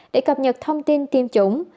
để cập nhật thông tin tiêm chủng